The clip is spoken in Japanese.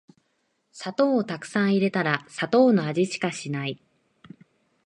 砂糖をたくさん入れたら砂糖の味しかしない